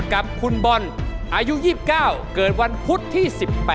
กับคุณบอลอายุ๒๙เกิดวันพุธที่๑๘